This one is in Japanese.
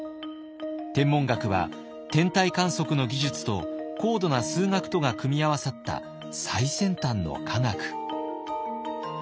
天文学は天体観測の技術と高度な数学とが組み合わさった最先端の科学。